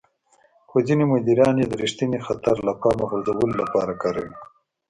خو ځينې مديران يې د رېښتيني خطر له پامه غورځولو لپاره کاروي.